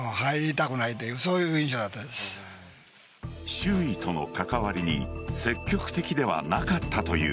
周囲との関わりに積極的ではなかったという。